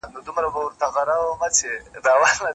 تر دې ورک رباته مه وای رسېدلی